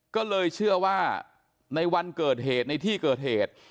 ก็เลยเชื่อว่าในวันเกิดเหตุในที่เกิดเหตุ